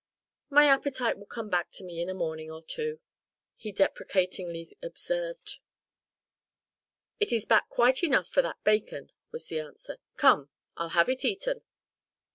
"My appetite will come back to me in a morning or two," he deprecatingly observed. "It is back quite enough for that bacon," was the answer. "Come! I'll have it eaten."